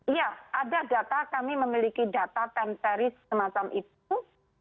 iya ada data kami memiliki data temperies semacam itu